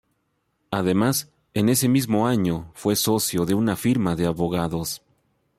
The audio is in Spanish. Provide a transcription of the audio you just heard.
Además, en ese mismo año fue socio de una firma de abogados.